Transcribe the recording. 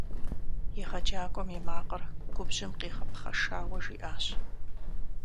Егъэджакӏуэм и макъыр губжьым къигъэпхъэшауэ жиӏащ.